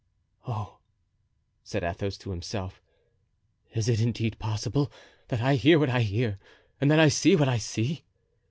"Oh!" said Athos to himself, "is it indeed possible that I hear what I hear and that I see what I see?